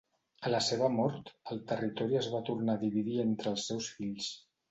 A la seva mort el territori es va tornar a dividir entre els seus fills.